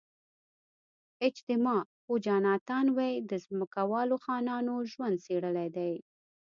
اجتماع پوه جاناتان وی د ځمکوالو خانانو ژوند څېړلی دی.